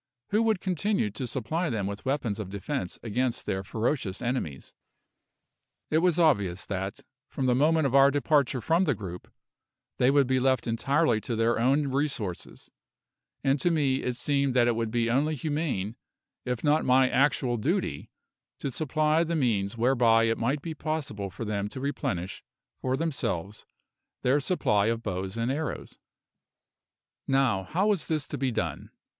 Who would continue to supply them with weapons of defence against their ferocious enemies? It was obvious that, from the moment of our departure from the group, they would be left entirely to their own resources; and to me it seemed that it would be only humane, if not my actual duty, to supply the means whereby it might be possible for them to replenish for themselves their supply of bows and arrows. Now, how was this to be done?